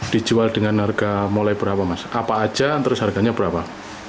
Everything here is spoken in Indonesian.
dijual dengan harga mulai berapa mas apa aja terus harganya berapa